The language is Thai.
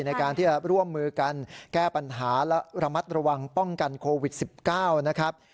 ในการที่จะร่วมมือกันแก้ปัญหาและระมัดระวังป้องกันโควิด๑๙นะครับ